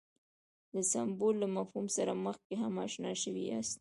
د سمبول له مفهوم سره مخکې هم اشنا شوي یاست.